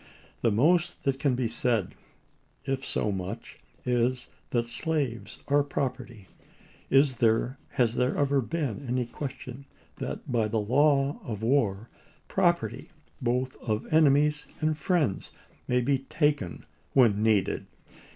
The most that can be said — if so much — is that slaves are property. Is there, has there ever been, any question that by the law of war, property, both of enemies and friends, may be taken when needed?